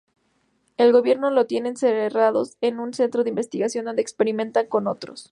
El gobierno los tiene encerrados en un centro de investigación, donde experimentan con ellos.